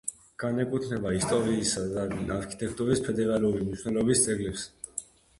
განეკუთვნება ისტორიისა და არქიტექტურის ფედერალური მნიშვნელობის ძეგლებს.